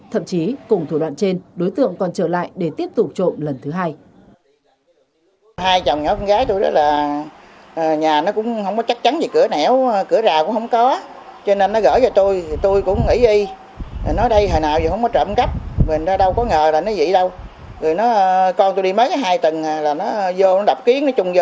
thậm chí cùng thủ đoạn trên đối tượng còn trở lại để tiếp tục trộm lần thứ hai